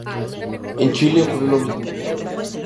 En Chile ocurrió lo mismo.